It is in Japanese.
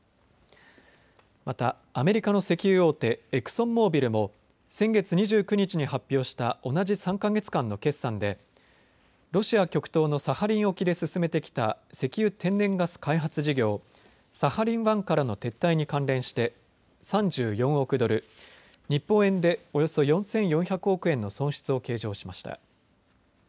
またアメリカの石油大手、エクソンモービルも先月２９日に発表した同じ３か月間の決算でロシア極東のサハリン沖で進めてきた石油・天然ガス開発事業、サハリン１からの撤退に関連して３４億ドル、日本円でおよそおよそ４４００億円の損失を計上しました。